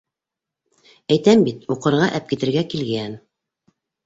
Әйтәм бит: уҡырға әпкитергә килгән.